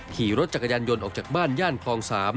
ขี่รถจักรยานยนต์ออกจากบ้านย่านคลอง๓